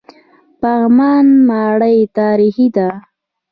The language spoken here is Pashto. پغمان ماڼۍ تاریخي ده؟